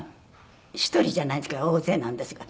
１人じゃないんですけど大勢なんですが。